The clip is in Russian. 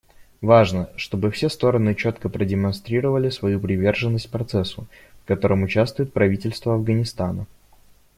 Важно, чтобы все стороны четко продемонстрировали свою приверженность процессу, в котором участвует правительство Афганистана.